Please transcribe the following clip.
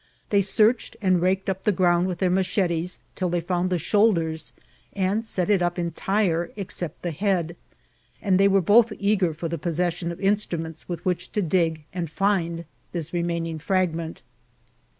They searched and raked up the ground with their machetes till they found the shoulders, and set it up entire except the head ; and they were both eager for the possession of instruments with which to dig and find this remaining fragment.